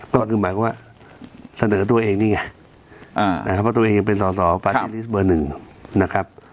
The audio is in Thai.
ก็ถึงหมายความว่าเสนอตัวเองนี่ไงว่าตัวเองเป็นศศปาร์ตี้ลิสต์เบอร์หนึ่งนะครับ